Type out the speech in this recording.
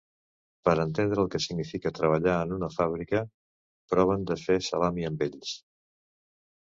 Per entendre el que significa treballar en una fàbrica, proven de fer salami amb ells.